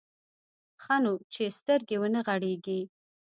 ښه نو چې سترګې ونه غړېږي.